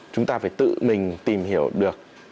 chúng ta phải tự mình tìm hiểu được